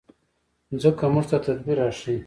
مځکه موږ ته تدبر راښيي.